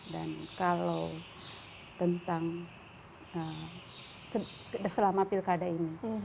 kalau tentang selama pilkada ini